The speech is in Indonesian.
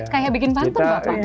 kayak bikin pantun pak